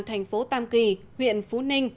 thành phố tam kỳ huyện phú ninh